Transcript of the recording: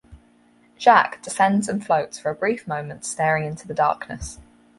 Jacques descends and floats for a brief moment staring into the darkness.